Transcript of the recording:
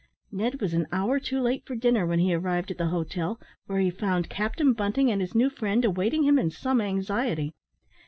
Ned was an hour too late for dinner when he arrived at the hotel, where he found Captain Bunting and his new friend awaiting him in some anxiety.